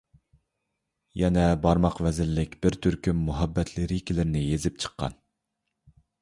يەنە بارماق ۋەزىنلىك بىر تۈركۈم مۇھەببەت لىرىكىلىرىنى يېزىپ چىققان.